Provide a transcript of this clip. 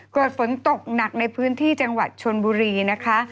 เกิดฝนตกหนักในพื้นที่จังหวัดชนบุรีนะคะ